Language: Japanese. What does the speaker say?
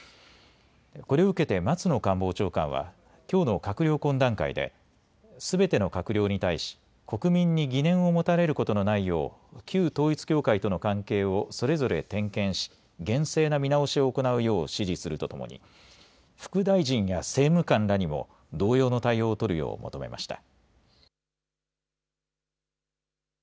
これを受けて松野官房長官はきょうの閣僚懇談会で、すべての閣僚に対し国民に疑念を持たれることのないよう旧統一教会との関係をそれぞれ点検し厳正な見直しを行うよう指示するとともに副大臣や政務官らにも同様の対応を取るよう求めました。